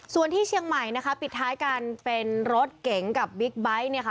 ส่วนที่เชียงใหม่นะคะปิดท้ายกันเป็นรถเก๋งกับบิ๊กไบท์เนี่ยค่ะ